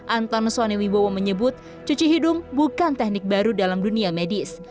anton sonewibowo menyebut cuci hidung bukan teknik baru dalam dunia medis